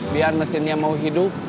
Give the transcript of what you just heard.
biar mesinnya mau hidup